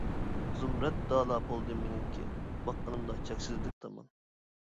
زۇمرەت دالا بولدى مېنىڭكى، باققىنىمدا چەكسىزلىك تامان.